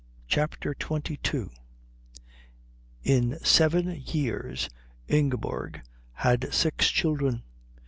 CHAPTER XXII In seven years Ingeborg had six children.